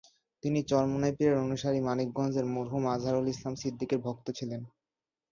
তিনি চরমোনাই পীরের অনুসারী মানিকগঞ্জের মরহুম আজহারুল ইসলাম সিদ্দিকীর ভক্ত ছিলেন।